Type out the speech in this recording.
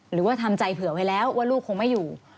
หรือว่าทำใจเผื่อไว้แล้วว่าลูกคงไม่อยู่